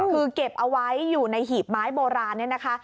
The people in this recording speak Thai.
คือเก็บเอาไว้อยู่ในหีบไม้โบราณเนี่ยนะคะ